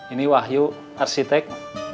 ini wahyu arsitek